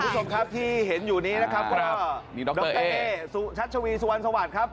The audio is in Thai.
คำสุดทรงครับที่เห็นอยู่นี้นะครับก็ดรเอชัชวีสวรรค์สวัสดีครับ